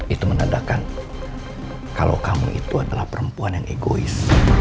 itu menandakan kalau kamu itu adalah perempuan yang egois